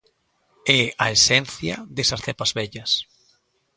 É a esencia desas cepas vellas.